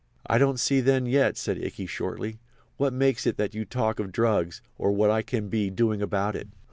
"I don't see then yet," said Ikey, shortly, "what makes it that you talk of drugs, or what I can be doing about it."